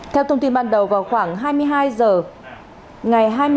theo thông tin ban đầu vào khoảng hai mươi hai h ngày hai mươi